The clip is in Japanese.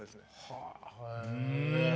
はあへえ！